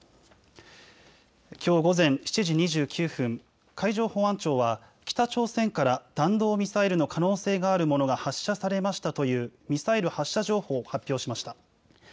きょう午前７時２９分、海上保安庁は、北朝鮮から弾道ミサイルの可能性があるものが発射されましたというミサイル発射情報を発表しました。